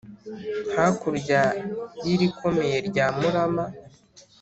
hakurya y'irikomeye rya murama,